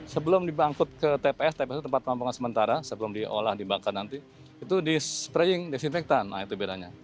sebelum dibangkut ke tps tps itu tempat pemampungan sementara sebelum diolah dibangkut nanti itu dispraying disinfektan nah itu bedanya